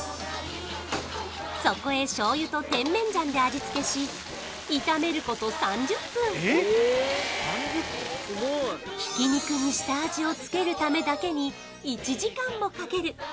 そこへ醤油と甜麺醤で味付けし炒めること３０分挽き肉に下味を付けるためだけに１時間もかける